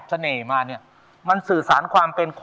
ช่วยฝังดินหรือกว่า